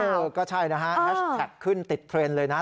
เออก็ใช่นะฮะแฮชแท็กขึ้นติดเทรนด์เลยนะ